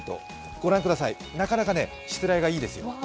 ご覧ください、なかなかしつらえがいいですよ。